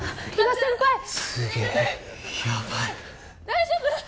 大丈夫！？